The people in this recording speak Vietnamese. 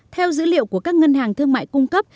theo dữ liệu của các ngân hàng thương mại cung cấp